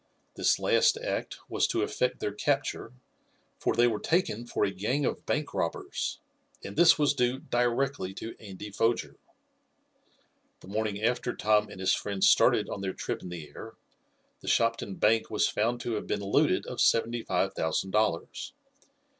This last act was to effect their capture, for they were taken for a gang of bank robbers, and this was due directly to Andy Foger. The morning after Tom and his friends started on their trip in the air, the Shopton Bank was found to have been looted of seventy five thousand dollars.